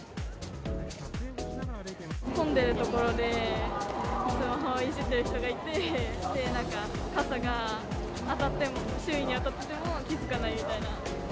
混んでる所でスマホいじってる人がいて、なんか、傘が当たっても、周囲に当たっても気付かないみたいな。